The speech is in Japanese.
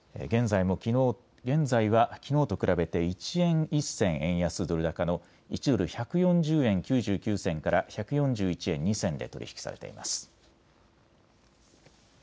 現在はきのうと比べて１円１銭円安ドル高の１ドル１４０円９９銭から１４１円２銭で取り引きされています。